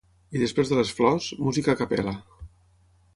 I després de les flors, música ‘a capella’